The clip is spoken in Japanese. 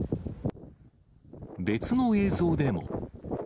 別の映像でも。